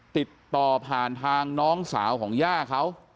ติดต่อผ่านทางน้องสาวของย่าเขา